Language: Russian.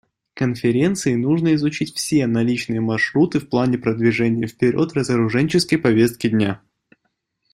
Конференции нужно изучить все наличные маршруты в плане продвижения вперед разоруженческой повестки дня.